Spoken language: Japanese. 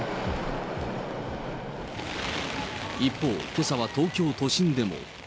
一方、けさは東京都心でも。